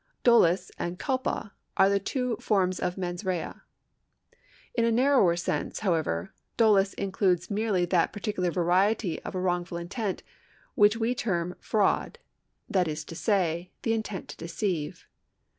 Dolus and cidpa are the two forms of meiis rca. In a narrower sense, however, dolus includes merely that particular variety of wrongful intent which we term fraud — that is to say; the intent to deceive.